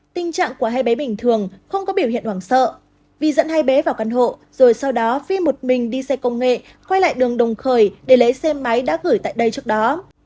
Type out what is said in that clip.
tình trạng của hai bé bình thường không có biểu hiện hoảng sợ vi dẫn hai bé vào căn hộ rồi sau đó phi một mình đi xe công nghệ quay lại đường đồng khởi để lấy xe máy đã gửi tại đây trước đó